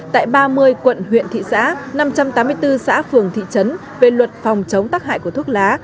tại ba mươi quận huyện thị xã năm trăm tám mươi bốn xã phường thị trấn về luật phòng chống tắc hại của thuốc lá